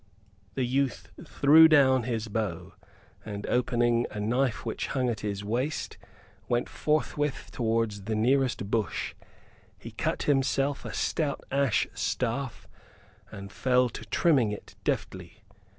The youth threw down his bow, and, opening a knife which hung at his waist, went forthwith towards the nearest bush. He cut himself a stout ash staff and fell to trimming it deftly.